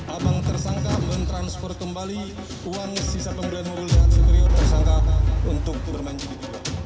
abang tersangka mentranspor kembali uang sisa pemudaan mobil dan superior tersangka untuk bermain jidid